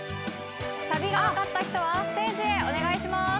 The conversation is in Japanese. サビがわかった人はステージへお願いします。